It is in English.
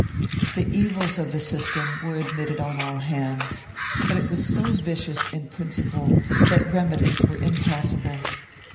4 The evils of the system were admitted on all hands, but it was so vicious in principle that remedies were impossible.